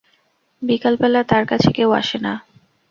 বিকালবেলা তাঁর কাছে কেউ আসে না।